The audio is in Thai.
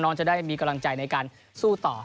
จะได้มีกำลังใจในการสู้ต่อ